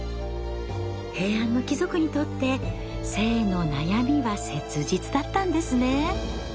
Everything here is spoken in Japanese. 平安の貴族にとって性の悩みは切実だったんですね。